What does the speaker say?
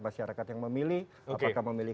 masyarakat yang memilih apakah memilih